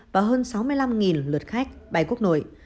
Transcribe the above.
và hơn sáu mươi năm lượt khách bay quốc nội